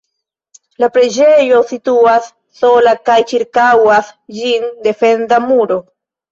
La preĝejo situas sola kaj ĉirkaŭas ĝin defenda muro.